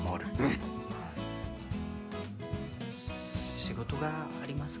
し仕事がありますから。